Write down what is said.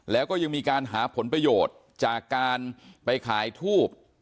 แล้วก็ยังมีการหาผลประโยชน์จากการไปขายทูบ